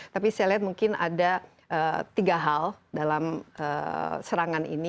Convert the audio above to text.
tapi saya lihat mungkin ada tiga hal dalam serangan ini